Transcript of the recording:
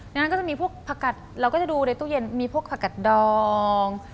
ดังนั้นก็จะมีพวกผักกัดเราก็จะดูในตู้เย็นมีพวกผักกัดดอง